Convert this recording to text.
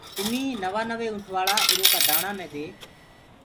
تميٚ نوآنوي اُنٚٺوآݪا ايٚرو ڪآ دآڻآ مي دي